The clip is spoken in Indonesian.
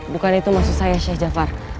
bukan itu maksud saya sheikh jafar